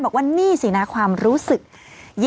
พี่ปั๊ดเดี๋ยวมาที่ร้องให้